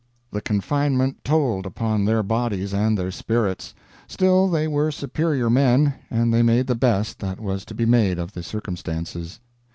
The confinement told upon their bodies and their spirits; still, they were superior men, and they made the best that was to be made of the circumstances.